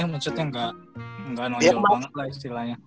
maksudnya nggak nonjol banget lah istilahnya